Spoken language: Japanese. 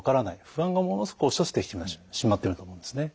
不安がものすごく押し寄せてきてしまっているんだと思うんですね。